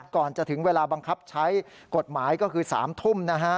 ก่อนจะถึงเวลาบังคับใช้กฎหมายก็คือ๓ทุ่ม